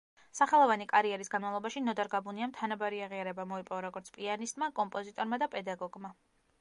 სახელოვანი კარიერის განმავლობაში ნოდარ გაბუნიამ თანაბარი აღიარება მოიპოვა როგორც პიანისტმა, კომპოზიტორმა და პედაგოგმა.